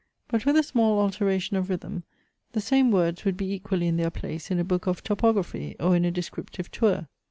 But with a small alteration of rhythm, the same words would be equally in their place in a book of topography, or in a descriptive tour.